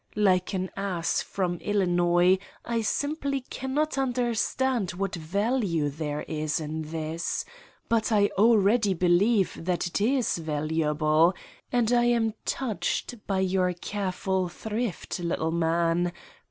Like an ass from Illi nois, I simply cannot understand what value there is in this, but I already believe that it is valuable and I am touched by your careful thrift, little man!